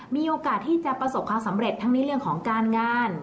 มีโอกาสที่จะประสบความสำเร็จทั้งในเรื่องของการงาน